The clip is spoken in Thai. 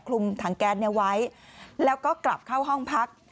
ถังแก๊สนี้ไว้แล้วก็กลับเข้าห้องพัก